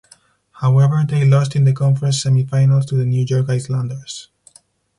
However they lost in the conference semifinals to the New York Islanders.